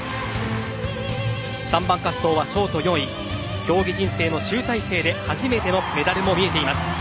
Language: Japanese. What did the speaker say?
３番滑走はショート４位競技人生の集大成で初めてのメダルも見えています。